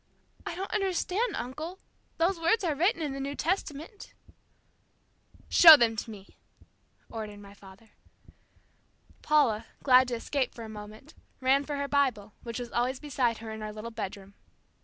"I don't understand, uncle. Those words are written in the New Testament." "Show them to me," ordered my father. Paula, glad to escape for a moment, ran for her Bible, which was always beside her in our little bedroom.